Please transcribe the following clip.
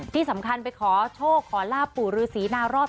ที่สำคัญไปขอโชคขอลาบปู่ฤษีนารอด